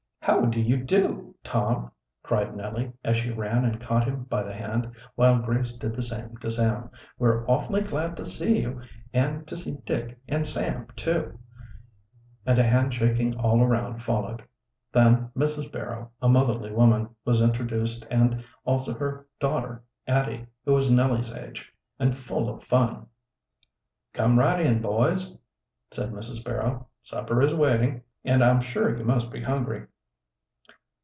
"How do you do, Tom!" cried Nellie, as she ran and caught him by the hand, while Grace did the same to Sam. "We're awfully glad to see you, and to see Dick and Sam, too," and a hand shaking all around followed. Then Mrs. Barrow, a motherly woman, was introduced and also her daughter Addie, who was Nellie's age, and full of fun. "Come right in, boys," said Mrs. Barrow. "Supper is waiting, and I'm sure you must be hungry."